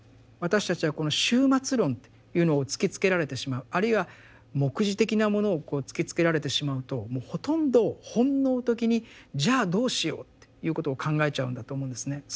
私たちはこの終末論っていうのを突きつけられてしまうあるいは黙示的なものをこう突きつけられてしまうともうほとんど本能的に「じゃあどうしよう」っていうことを考えちゃうんだと思うんですね。